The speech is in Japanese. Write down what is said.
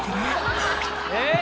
「えっ？